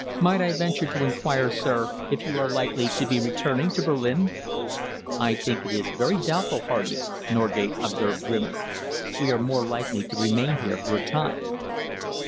"Might I venture to enquire, sir, if you are likely to be returning to Berlin?" "I think it is very doubtful, Hardy," Norgate observed grimly. "We are more likely to remain here for a time."